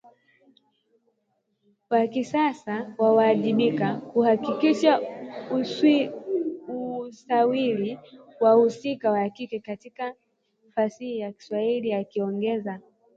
wa kisasa wawajibike kuhakiki usawiri wa wahusika wa kike katika fasihi ya Kiswahili akiongeza